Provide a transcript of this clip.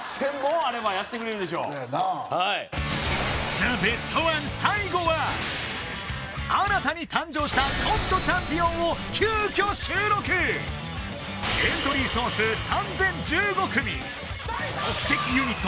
ザ・ベストワン最後は新たに誕生したコントチャンピオンを急きょ収録エントリー総数３０１５組即席ユニット